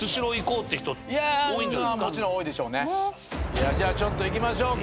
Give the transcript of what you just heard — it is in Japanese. いやじゃあちょっといきましょうか。